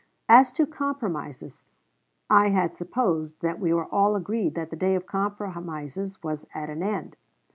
As to compromises, I had supposed that we were all agreed that the day of compromises was at an end.